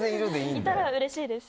いたらうれしいです。